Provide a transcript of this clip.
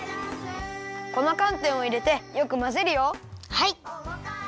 はい！